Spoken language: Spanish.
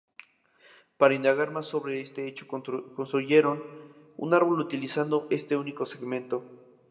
Para indagar más sobre este hecho construyeron un árbol utilizando este único segmento.